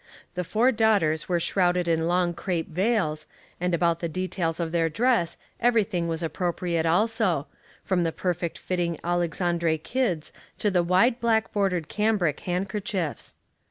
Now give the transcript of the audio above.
The four daugh ters were shrouded in long crape vails, and about the details of their dress everything was appro priate also, from the perfect fitting Alexandre kids to the wide black bordered cambric hand kerchiefs.